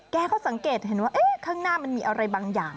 เขาสังเกตเห็นว่าข้างหน้ามันมีอะไรบางอย่าง